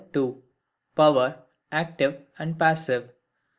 Power, active and passive.